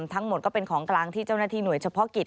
ทั้งหมดก็เป็นของกลางที่เจ้าหน้าที่หน่วยเฉพาะกิจ